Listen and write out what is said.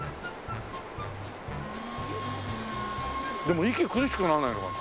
でも息苦しくならないのかな？